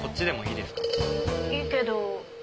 いいけど。